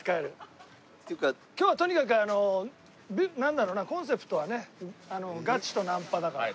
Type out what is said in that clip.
今日はとにかくあのなんだろうなコンセプトはねガチとナンパだから。